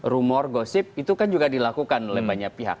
rumor gosip itu kan juga dilakukan oleh banyak pihak